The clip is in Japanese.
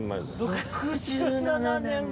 ６７年前！